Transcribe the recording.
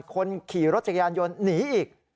คนขี่รถจักรยานยนต์หนีอีก